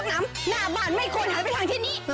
น้ำหน้าบ้านไม่ควรหันไปทางที่นี่